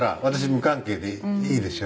無関係でいいですよね」